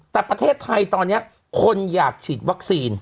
แต่ประเทศไทยตอนนี้คนอยากเฉียบต้องการวัคซีน